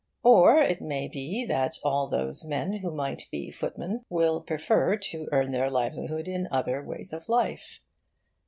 Or it may be that all those men who might be footmen will prefer to earn their livelihood in other ways of life.